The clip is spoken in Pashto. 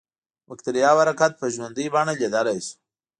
د بکټریاوو حرکت په ژوندۍ بڼه لیدلای شو.